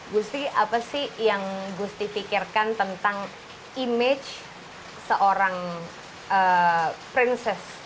gusti apa sih yang gusti pikirkan tentang image seorang princess